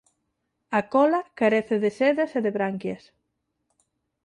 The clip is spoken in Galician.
A cola carece de sedas e de branquias.